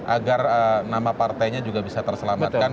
agar nama partainya juga bisa terselamatkan